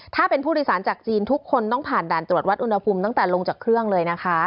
ถ้าเป็นผู้โดยสารจากจีนทุกคนต้องผ่านด่านตรวจวัดอุณหภูมิตั้งแต่ลงจากเครื่องเลยนะคะ